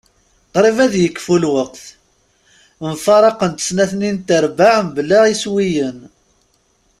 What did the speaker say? Qrib ad ikfu lweqt. Mfaraqent snat-nni n trebbaɛ mebla iswiyen.